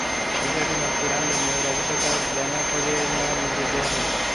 বিষয়টি নজরে আনলে মেয়র অবশ্য তাঁর ব্যানার সরিয়ে নেওয়ার নির্দেশ দিয়েছেন।